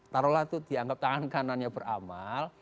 taruhlah itu dianggap tangan kanannya beramal